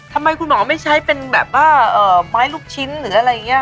ทำไมคุณหมอไม่ใช้เป็นแบบว่าไม้ลูกชิ้นหรืออะไรอย่างนี้